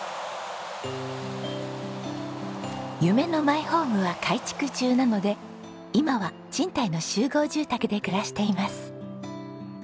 夢のマイホームは改築中なので今は賃貸の集合住宅で暮らしています。